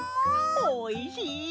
おいしい！